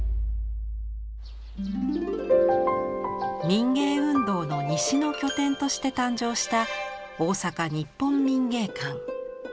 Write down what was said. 「民藝運動の西の拠点」として誕生した大阪日本民芸館。